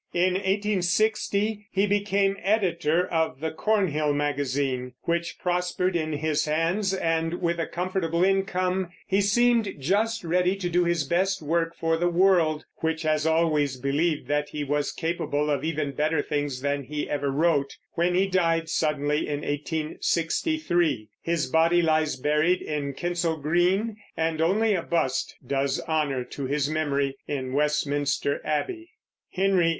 In 1860 he became editor of the Cornhill Magazine, which prospered in his hands, and with a comfortable income he seemed just ready to do his best work for the world (which has always believed that he was capable of even better things than he ever wrote) when he died suddenly in 1863. His body lies buried in Kensal Green, and only a bust does honor to his memory in Westminster Abbey.